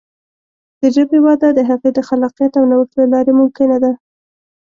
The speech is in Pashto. د ژبې وده د هغې د خلاقیت او نوښت له لارې ممکنه ده.